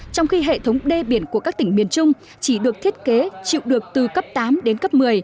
trong khi hệ thống đê biển của các tỉnh miền trung chỉ được thiết kế chịu được từ cấp tám đến cấp một mươi